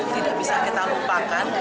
tidak bisa kita lupakan